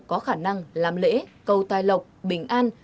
có khả năng làm lễ cầu tài lộc bình an